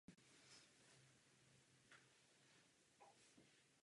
K provedení útoku se přihlásilo hnutí Tálibán.